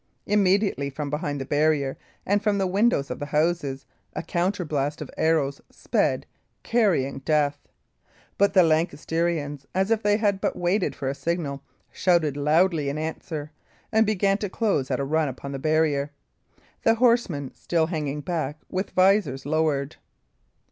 Immediately, from behind the barrier and from the windows of the houses, a counterblast of arrows sped, carrying death. But the Lancastrians, as if they had but waited for a signal, shouted loudly in answer; and began to close at a run upon the barrier, the horsemen still hanging back, with visors lowered.